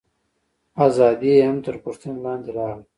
ازادي یې هم تر پوښتنې لاندې راغله.